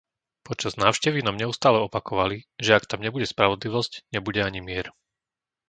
Počas návštevy nám neustále opakovali, že ak tam nebude spravodlivosť, nebude ani mier.